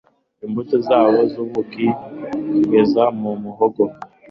Imbuto zabo nkubuki kugeza mu muhogo